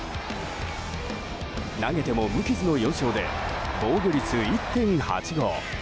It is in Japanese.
投げても無傷の４勝で防御率１．８５。